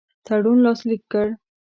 تړون لاسلیک کړ.